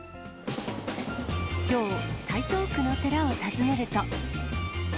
きょう、台東区の寺を訪ねると。